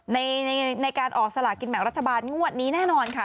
ในการออกสลากินแบ่งรัฐบาลงวดนี้แน่นอนค่ะ